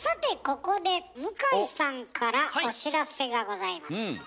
ここで向井さんからお知らせがございます。